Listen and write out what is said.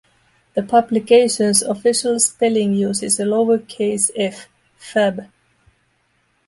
The publication's official spelling uses a lower-case F: "fab".